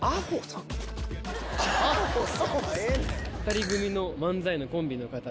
２人組の漫才のコンビの方です。